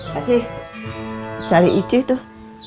kasih cari icu tuh